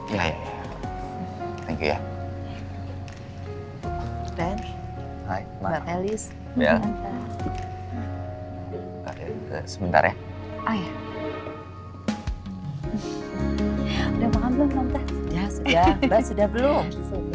ya sudah mbak sudah belum